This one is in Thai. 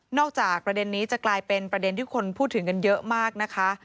จากประเด็นนี้จะกลายเป็นประเด็นที่คนพูดถึงกันเยอะมากนะคะ